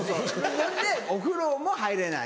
ほんでお風呂も入れない。